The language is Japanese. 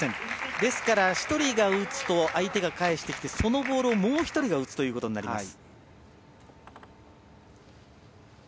ですから１人が打つと相手が返してきてそのボールをもう１人が打つことになります。